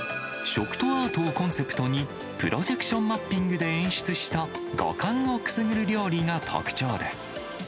食とアートをコンセプトに、プロジェクションマッピングで演出した、五感をくすぐる料理が特徴です。